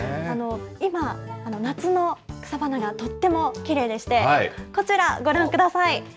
今、夏の草花がとってもきれいでして、こちら、ご覧ください。